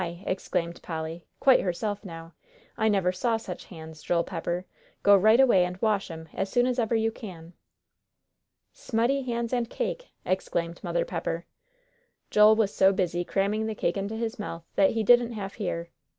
exclaimed Polly, quite herself, now. "I never saw such hands, Joel Pepper! Go right away and wash 'em as soon as ever you can." "Smutty hands and cake!" exclaimed Mother Pepper. Joel was so busy cramming the cake into his mouth that he didn't half hear.